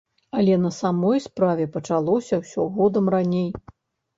Але на самай справе пачалося ўсё годам раней.